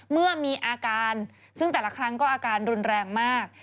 เมื่อมีอาการซึ่งแต่ละครั้งก็อาการรุนแรงมาก